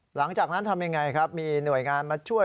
หลังจากนั้นทำยังไงครับมีหน่วยงานมาช่วย